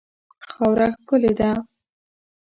خاوره ښکلې ده.